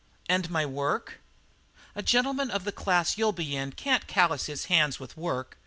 "And my work?" "A gentleman of the class you'll be in can't callous his hands with work.